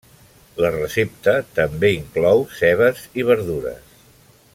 La recepta també inclou cebes i verdures.